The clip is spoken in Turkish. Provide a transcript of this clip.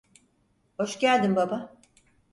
Hoş geldin baba.